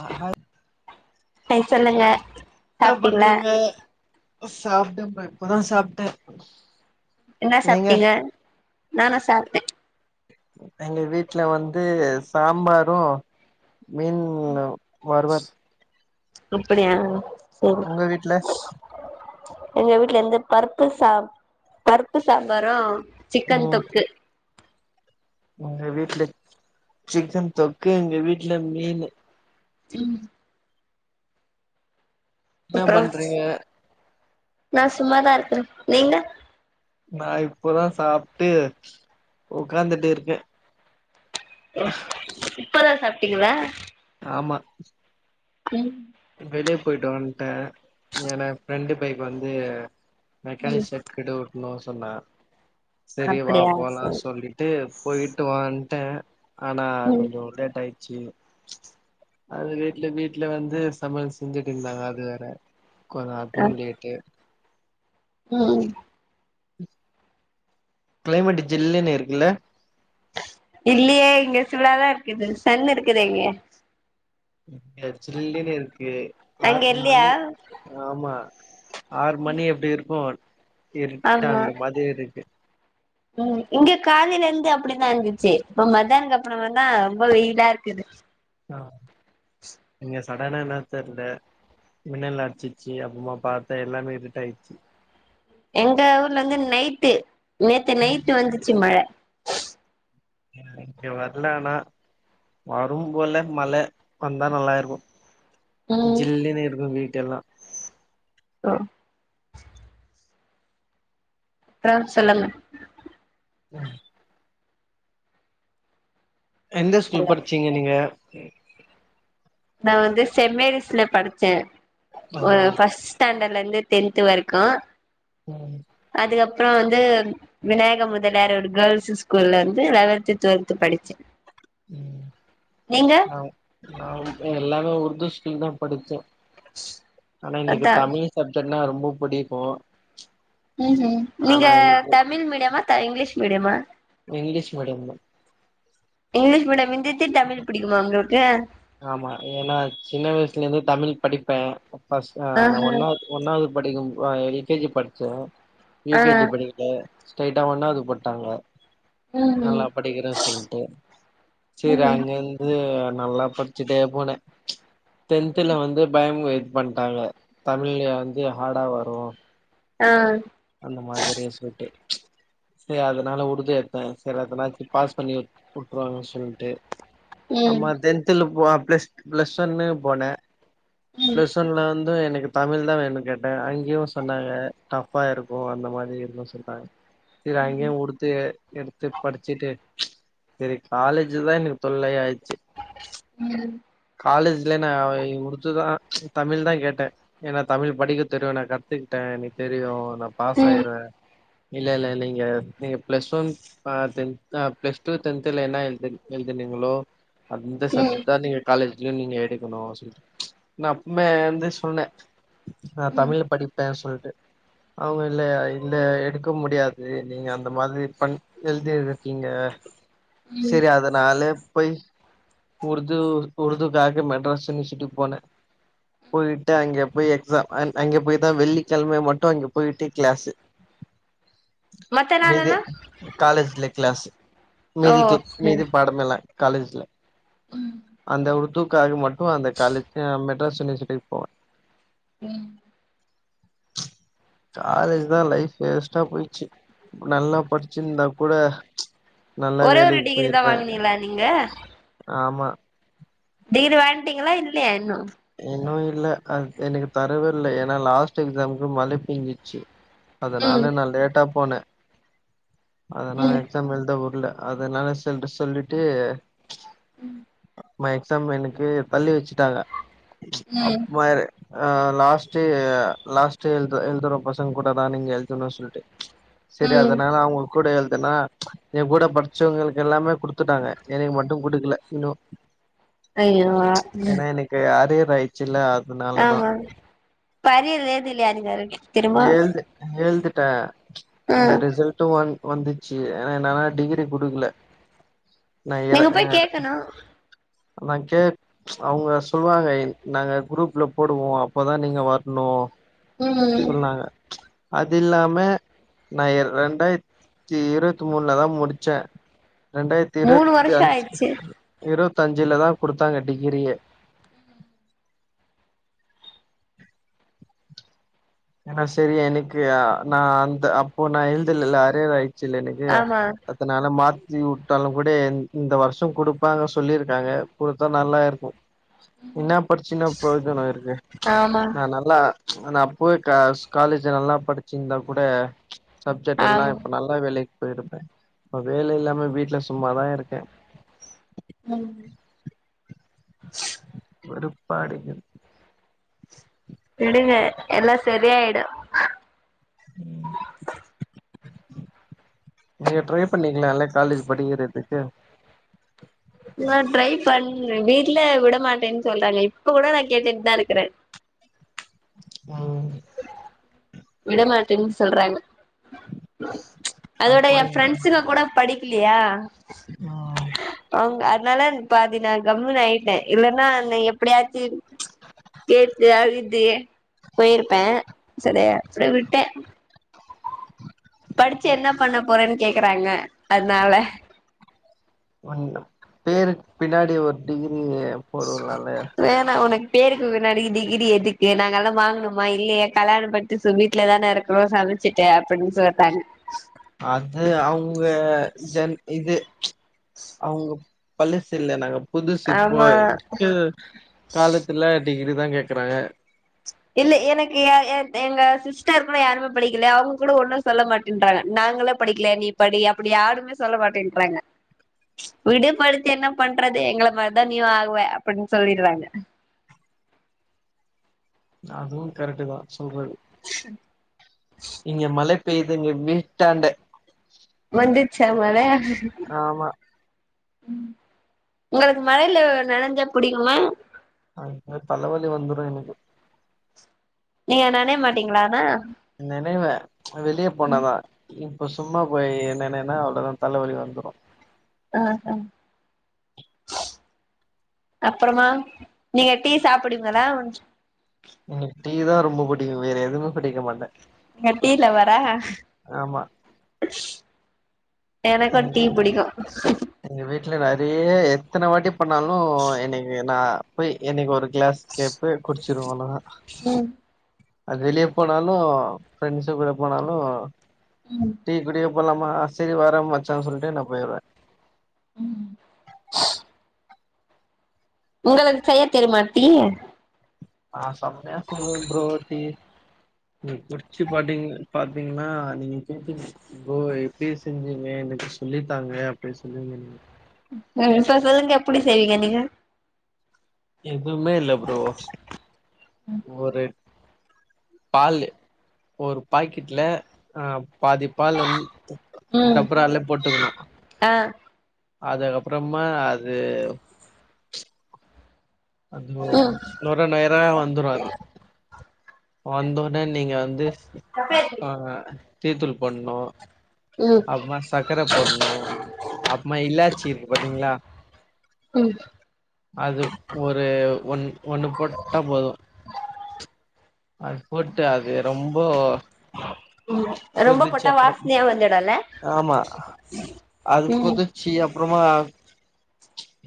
ஆஹ ஹாய் சொல்லுங்க டா சாப்ட்டீங்களா பண்றீங்க சாப்டம்பா இப்பதா சாப்ட்ட என்ன சாப்ட்டீங்க நானா சாப்ட்ட எங்க வீட்ல வந்து சாம்பாரு மீன் வருவல் அப்டியா சரி எங்க வீட்ல இருந்து பருப்பு சா பருப்பு சாம்பாரும் சிக்கன் தொக்கு உங்க வீட்ல சிக்கன் தொக்கு எங்க வீட்ல மீனு ம் என்ன பண்றீங்க நான் சும்மாதா இருக்குறே நீங்க நா இப்பதா சாப்ட்டு உ்க்காந்துட்டு இருக்கே ஒ இப்ப தா சாப்பிட்டீங்களா ஆமா வெளிய போயிட்டு வந்துட்டேன் என ஃப்ரெண்டு பைக்கு வந்து ம் மெக்கானிக் ஷெட்கிட்ட விடனும் சொன்னா செரி வா அப்படியா போலா சரி சொல்லிட்டு போயிட்டு வான் த ஆனா ம் கொஞ்சே டேட் ஆயி அது லேட்ல வீட்ல வந்து சமைல் செஞ்சுட்டு இர்ந்தாங்க அது வேற கொஞ்சோ அ அப்போவு லேட்டு ம் க்ளைமேட்டு ஜில்லுனு இருக்குல்ல இல்லியே இங்க சூடா தா இருக்குது சன் இருக்குதே இங்க இங்க ஜில்லுனு இருக்கு அங்க ஆறு இல்லையா மணி ஆமா ஆற் மணி எப்டி இருக்கு இருட்டா அந்த மாதுரி இருக்கு உம் இங்க காலையில இருந்து அப்டிதா இருந்துச்சு இப்ப மத்தியான அப்பறமா தா ரொம்ப வெயிலா இருக்குது ஆஹ் இங்கச் சடனா என்னன்னு தெரில மின்னல் அடிச்சிச்சு அப்புறமா பாத்தா எல்லாமே இருட் ஆயிடுச்சு எங்க ஊர்ல வந்து நைட்டு நேத்து நைட்டு வந்துச்சு மழ ம் இங்க வரல ஆனா வரு போல மழ வந்தா நல்லாயிருக்கு ம் ஜில்லுன்னு இருக்கும் வீட் டெல்லா ஒ அப்றோ சொல்லுங்க. ம் எந்த ஸ்கூல் படிச்சீங்க நீங்க? செரி நா வந்து சென் மேரிஸ்ல படிச்சே ஆ ஒ ஃபஸ்டேண்டட் லந்து டென்த் வரைக்கு உம் அதுக்கப்புறொ வந்து விநாயக முதலியார் ஒரு கேள்ஸ்ஸு ஸ்கூல்ல வந்து லெவந்து டுவெல்த்து படிச்சே உம் நீங்க ஆ நா ஏ எல்லாமே உருது ஸ்கூல் தா படிச்சே ஆனா இன்னைக்கு அதா தமிழ் சப்ஜெக்ட் ன்னா ரொம்ப பிடிக்கு ம் ஹ்ம். நீங்க தமிழ் மீடியமா த இங்கிலீஷ் மீடியமா இங்கிலிஷ் மீடியம்தா இங்கிலீஷ் மீடியம் இன் [unintelligible] தமிழ் பிடிக்கும்மா உங்களுக் ஏ ஆமா ஏனா சின்ன வயசுல இருந்து தமிழ் படிப்பே ஃபஸ் ஆ நா ஆஹா ஒன்னாவது ஒன்னாவது படிக்கும் ஆஹ் எல் கே ஜி படிச்சே யூ கே ஜி ஆ படிக்கல. ஸ்ட்ரைட்டா ஒன்னாவது போட்டாங்க. ம் ம் நல்லா படிக்கிறே சொல்ட்டு. ம் சேரி ம் அங்க இருந்து அ நல்லாப் படிச்சிட்டே போனே டென்த்துல வந்து பயமு பண்டாங்க. தமிழ் வந்து ஹார்டா வரும். ஆ அந்த மாதிரிய சொல்ட்டு சரி அதனால உருது எடுத்தே சரி அதனாச்சு பாஸ் பண்ணி உட்டுருவாங்க சொல்ட்டு ம் அம்மா டென்த் ல வா பிளஸ் பிளஸ் வன்னு போன ம் ம் பிளஸ் வன்ல வந் து எனக்கு தமிழ் தா வேணு கேட்ட அங்கியு சொன்னாங்க டஃப் ஃப்பா இருக்கு அந்த மாரி இருக்கு சொன்னாங்க சேர் அங்கியே உருதே எடுத்து படிச்சிட்டு சரி காலேஜு தா எனக்கு தொல்லையாயிட்ச்சு ம் காலேஜ்ல நா அ உருது தா தமிழ் தா கேட்டே ஏன்னா தமிழ் படிக்க தெரியு நா கத்துகிட்ட எனக்கு தெரியு நா பாஸ் ம் ஆயிருவ இல்லல இல் லைங்க நீங்க பிளஸ் வன் அ டென்த்தா பிளஸ் டூ டென்த்துல என்னா எழ்து எழுதுனீங்களோ அந்த ம் சப்ஜக்ட் தா நீங்க ட் தா நீங்க எடுக்கணு சொல்ட்டு நா அப்மே வந்து சொன்ன நா ம் தமிழ்ல படிப்பே சொல்ட்டு அவுங்க இல்ல இல்ல எடுக்க முடியாது நீங்க அந்த மாதிரி பண் எழுதி இருக்கீங்க ம் செரி அதனால போய் உர்தூ உருதுகாக மெட்ராஸ் யுனிவர்சிட்டி போன போயிட்டு அங்க போய் எக்ஸாம் அங் அங்க போய் தா வெள்ளிக்கெழமே மட்டு அங்க போய்ட்டு கிளாஸு மத்த மிது நாளெல்லா காலேஜ் லெ க்ளாஸு ஓ மீதிக்கு அப்டியா மீதி பாடமெல்லா காலேஜ்ல ம் அந்த ஒரு தூக்காக மட் டு அந்த காலேஜு மெ ட்ராஸ் யுனிவர்சிட்டி போவ ம் காலேஜ் தா லைஃப் வேஸ்ட்டா போயிச்சு நல்லா படிச்சிந்தா கூட நல்ல ஒரே ஒரு வேலைக்கு டிகிரி தா போயிருப்பே வாங்குனீங்லா நீங்க ஆமா டிகிரி வாங்ட்டீங்லா இல்லையா இன்னு இன்னு இல்ல அத் எனக்கு தரவேல்ல ஏன்னா லாஸ்ட் எக்ஸாம்கு மழபேஞ்சிச்சு ம் அதனால நா லேட்டா போன அதனா ம் எக்ஸாம் எல்த வுடுல அதனால சொல்ட் சொல்லிட்டு ம் ம எக்ஸாம எனக்கு தள்ளி வெச்சுட்டாங்க [unintelligible] ம் அ லாஸ்ட்டே லாஸ்ட்டே எழ்து எழ்துர பசங்க கூட தா நீங்க எழ்துன்னு சொல்ட்டு செரி ம் அதனால அவங்க கூட எல் என்னா எ கூட படிச்சவங்களுக்கு எல்லாமே குடுத்துட்டாங்க எனக்கு மட்டு குடுக்கல இன்னு அய்யோ ம் ஏன்னா எனக்கு அரியர் ஆயிடுச்சுல்ல அ ஆமாங் இப்ப அரியர் [unintelligible] கிடும்மா எழ்திட்ட அந்த ரிசல்ட்டு வந் வந்துச்சு ஏன்னா என்னால டிகிரி குடுக்கல நா இர நீங்க ஆ போய் கேக்கனு நா கே அவுங்க சொல்லுவாங்க இ நாங்க குரூப்ல போடுவோ அப்பதா நீங்க வர்ணு ம் ம் அதுயில்லாம நா இர் ரெண்டாயி த்தி இருவத் மூணுலதா முடிச்சே ரெண்டாயிரத்தி மூணு இருவத்தி வருஷோ அஞ்சு ஆயிடுச்சு இரு பத்தஞ்சுலதா குடுத்தாங்க டிகிரியே ஏனா செரி எனக்கு நா அந்த அப்போ நா எழுதிலல்ல அரியரா ச்சில்ல எனக்கு ஆமா அதனால மா விட்டாலு கூட இந்த வருஷ குடுப்பாங்க சொல்லிருக்காங்க குடுத்தா நல்லா இருக்கு என்ன படிச்சு என்னா பிரயோஜன இருக்கு ஆமா நா நல்லா ஆனா போய் கா காலேஜ நல்லா படிச்சிருந்தா கூட சப்ஜெக்ட் எல்லா ஆமா இப்ப நல்லா வேலைக் போயிருப்பே இப்ப வேலை இல்லாம வீட்ல சும்மாதா இருக்கே ம் வெறுப்பா அடிக்குது விடுங்க எல்லா செரியாயிடு ம் நீங்க ட்ரை பண்ணிக்கலால்ல காலேஜ் படிக்கறதுக்கு நா ட்ரை பண்ண வீட்ல விட மாட்டேன் சொல்றாங்க இப்ப கூட நா கேட்டுட்டுதா இருக்கற ம் விட மாட்டன் சொல்றாங்க நா அதோட எ ஃப்ரெண்ட்ஸுங்க கூட படி இல்லையா ஆ அதனால பாதி நா கம்முனு ஆயிட்டே இல்லன்னா எப்படியாச்சு கேட்டு அழுது போயிரு பே சரிய சரி விட்டே படிச்சு என்ன பண்ண போறேன்னு கேக்குறாங்க அதுனால ஒன்னு பேருக் பின்னாடி ஒரு டிகி ரிய பொருலால வேணா உனக்கு பேருக்கு பின்னாடி டிகிரி எதுக்கு நாங்கெல்லா வாங்கணுமா இல்லையே கல்யாணம் பன்னிட்டு சு வீட்லதான இருக்குறோம் சமச்சுட்டு அப்படின்னு சொல் கண் அது அவுங்க ஜன் இது அவுங்க பள்ளசுல்ல னாங்க புதுசு ஆமா போய் ம் காலத்துல டிகிரி தா கேக்குறாங்க இல்ல எனக்கு எ ஏ எங்க சிஸ்டர் கூட யாருமே படிக்கல அவுங்கக் கூடோ ஒண்ணு சொல்ல மாட்டின்றாங்க நாங்களே படிக்கல நீ படி அப்டி யாருமே சொல்ல மாட்டேன்றாங்க விடு படிச்சி என்ன பண்றது எங்கள மாரிதா நீயு ஆவ அப்டின்னு சொல்லிட்றாங்க அதுவு கரெட்டுதா புகள் இங்க மலே பெய்துங்க வீட்டாண்ட செம்மல ஆமா ம் உங்களுக்கு மழையில நளைஞ்சா புடிக்குமா அது தலவலி வந்துரு எனுக்கு நீங்க நனைய மாட்டீங்ளா ஆனா நெனைவே வெளியே போனாதா ம் இப்போ சும்மா போய் என்ன என்ன என்னா அவ்வளோதா தலவலி வந்துடு ஆஹ் அப்புறமா நீங்க டீ சாப்பிடுங்களா கொஞ் ங்க டீ தா ரொம்போ புடிக்கு வேற எதுவுமே குடிக்க மாட்டே நீங்க டீ லவ்வரா ஆமா எனக்கு எங்க டீ வீ பிடிக்கு எங்க வீட்டுல நெறைய எத்தன வாட்டி ப்பனாலு எனக்கு நா இப்ப எனக்கு ஒரு கிளாஸ் கேப்ப குடிச்சிருவே அவ்ளதா அது வெளிய போனாலு ஃபிரண்ட்ஸ்சு கூட போனாலு டீ குடிக்க போலாமா செரி வர மச்சான் சொல்லிட்டு நா போயிருவே உம் உங்களுக்கு செய்ய தெருமா டீ ஆ செம்மையா செலுவு புரோ டீ ம் குடிச்சு பாத்தீங் பாத்தீங்ன்னா நீங்க [inaudible] புரோ எப்டி செஞ்சீங்க எனக்கு சொல்லித்தாங்க அப்டி சொல்லுவிங்க நீங் ம் அ இப்ப சொல்லுங்க எப்புடி செய்வீங்க நீங்க ஏ துவுமே இல்ல புரோ ஒரு பாலு ஒரு பாக்கெட்ல ஆ பாதி பால் வந் ம் டபரால போட்டுக்கணு ஆ அதுக்கப்புறமா அது அது ம் நுர நேரா வந்துரு அது வந்தொடன் நீங்க வந்து ஆஹ் டீத்தூள் போடணு ம் அப்றோ சர்க்கர போடணு அப்றோ இலாச்சி இருக்கு பாத்தீங்களா ம் அது ஒரு ஒன் ஒண்ணு போட்டா போது அது போட்டு அது ரொம்போ ரொம்ப போட்டா அப்புறம் வாசனையா வந்துடுல்ல ஆமா அது ம் கொதிச்சி அப்புறமா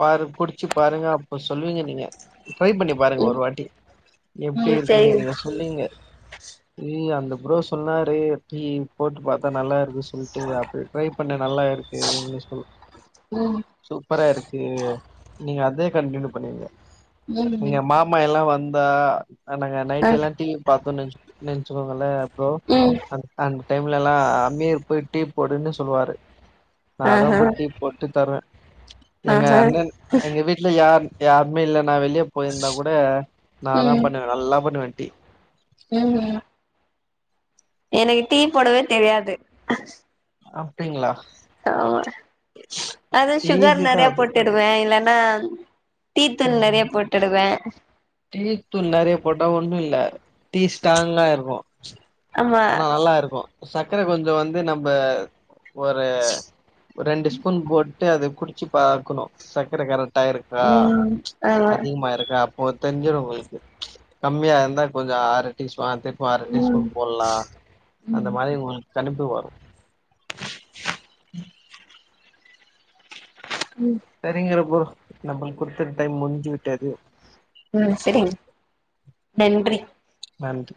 பாரு குடிச்சு பாருங்க அப்போ சொல்லுவீங்க நீங்க ட்ரை பண்ணி பாருங்க ம் ஒரு வாட்டி எப்டி ம் இருக்குன்னு சரிங்க நீங்க சொல்லுவீங்க நீங்க அந்த ப்ரோ சொன்னாரு டீ போட்டு பாத்தா நல்லா இரு டு அப்டி ட்ரை பண்ணே நல்லா இருக்கு சூ சூப்பரா இருக்கு நீங்க அதே கண்டினியூ பண்ணுங்க ம் எங்க ம் மாமா எல்லா வந் தா அ நாங்க அ நைட் எல்லா டிவி பாத்துனு வெச் இன்னு துங்கல ப்ரோ ம் அந் அந் டைம்லலா அமீர் போய் டீ போடுன்னு சொல்லுவாரு நா தா ஆஹா போய் டீ போட்டு தருவ எங்க ஆஹா அண்ணன் எங்க வீட்ல யார் யாருமே இல்லன் னா வெளிய போயிருந்தா கூட நா தா பண்ணுவே நல்லா பண்ணுவே டீ ம் ம் எனக்கு டீ போடவே தெரியாது அப்டிங்களா ஆமா அது ஷுகர் ஈஸி தா நெறையா அது போட்டுடுவே இல்லன் னா டீத்தூள் நறயா போட்டுடுவே அ டீத்தூள் நறையா போட்டா ஒண்ணுல்ல டீ ஸ்டாங்கா இருக்கு ஆமா அனா நல்லா இருக்கு சக்கர கொஞ்சோ வந்து நம்ப ஒரு ரெண்டு ஸ்பூன் போட்டு அது குடி ச்சு பாக்கணு சக்கர கரக் ட்டா இருக்கா ம் ஆமா அதிகமாயிருக்கா போ தெர்ஞ்சிரு உங்களுக்கு கம்மியா இர்ந்தா கொஞ்சோ ஆறு டீஸ் பாத்து பாறு டீ ம் ஸ்பூ ல்லா ம் அந்த மாரி உங்களுக் கனிப் ப்பு வரு ம் சரிங்கிற பொ நம்மள்க் குடுத்த டைம் முன்ஞ்சு விட்டது ம் செரிங்க நன்றி நன்றி